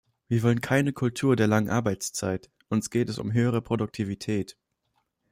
Wir wollen keine Kultur der langen Arbeitszeit, uns geht es um höhere Produktivität.